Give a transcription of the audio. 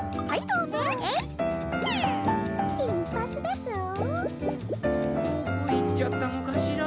どこいっちゃったのかしら？